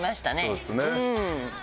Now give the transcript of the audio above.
そうですね。